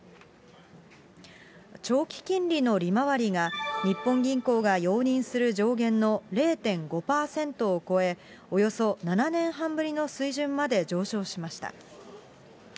長期金利の利回りが、日本銀行が容認する上限の０．５％を超え、およそ７年半ぶりの水準まで上昇しました。